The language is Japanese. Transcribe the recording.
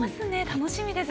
楽しみです。